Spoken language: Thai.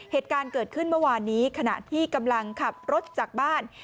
เหตุการณ์เกิดขึ้นเมื่อวานนี้ขณะที่กำลังขับรถจากบ้าน